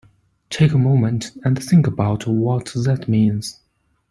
Take a moment and think about what that means.